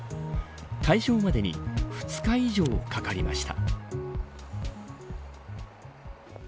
解消までに２日以上かかりました。